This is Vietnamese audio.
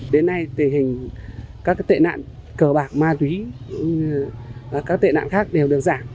đến nay tình hình các tệ nạn cờ bạc ma túy các tệ nạn khác đều được giảm